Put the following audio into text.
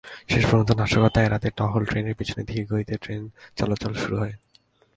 শেষ পর্যন্ত নাশকতা এড়াতে টহল ট্রেনের পিছে ধীরগতিতে ট্রেন চলাচল শুরু হয়।